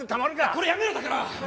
これやめろだから！